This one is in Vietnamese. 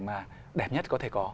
mà đẹp nhất có thể có